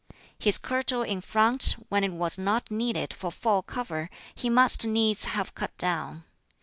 His kirtle in front, when it was not needed for full cover, he must needs have cut down.